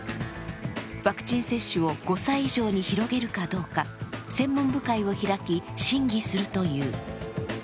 ワクチン接種を５歳以上に広げるかどうか専門部会を開き、審議するという。